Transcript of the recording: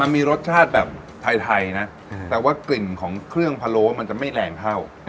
มีรสชาติแบบไทยนะแต่ว่ากลิ่นของเครื่องพะโล้มันจะไม่แรงเท่า